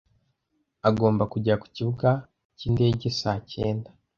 Agomba kugera ku kibuga cyindege saa cyenda